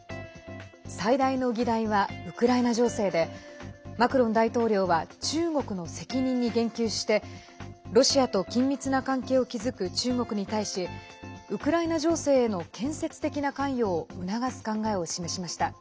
最大の議題は、ウクライナ情勢でマクロン大統領は中国の責任に言及してロシアと緊密な関係を築く中国に対しウクライナ情勢への建設的な関与を促す考えを示しました。